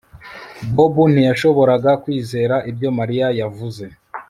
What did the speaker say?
Bobo ntiyashoboraga kwizera ibyo Mariya yavuze